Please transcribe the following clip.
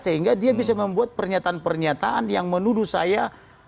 sehingga dia bisa membuat pernyataan pernyataan yang menuduh saya